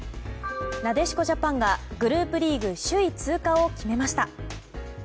なでしこジャパンがグループリーグ首位通過を決めました。